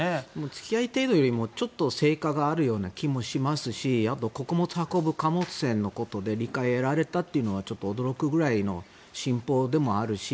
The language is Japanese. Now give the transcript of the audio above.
付き合い程度よりもちょっと成果があるように感じますしあと穀物を運ぶ貨物船のことで理解を得られたのはちょっと驚くぐらいの進歩でもあるし